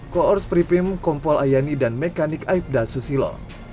koors pripim kompol ayani dan mekanik aibda susilo